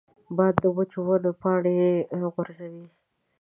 باد د وچو ونو پاڼې غورځوي